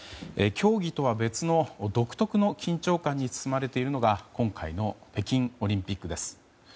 競技とは別の独特の緊張感に包まれているのが今回の北京オリンピックです。